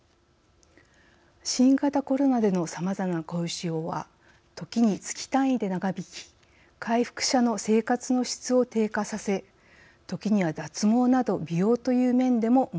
新型コロナでのさまざまな後遺症は時に月単位で長引き回復者の生活の質を低下させ時には脱毛など美容という面でも問題になっています。